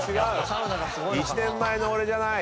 １年前の俺じゃない。